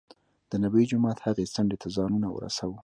دنبوي جومات هغې څنډې ته ځانونه ورسو.